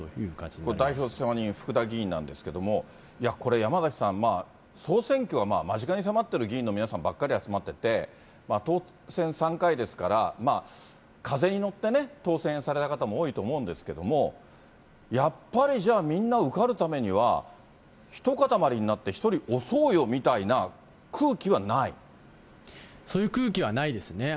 これ、代表世話人に福田議員なんですけれども、これ、山崎さん、総選挙が間近に迫っている議員の皆さんばかり集まっていて、当選３回ですから、風に乗ってね、当選された方も多いと思うんですけど、やっぱりじゃあみんな受かるためには、ひと塊になって推そそういう空気はないですね。